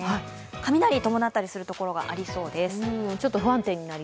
雷伴ったりする所がありそうです。